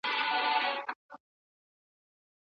د صنايعو ډولونه څه دي؟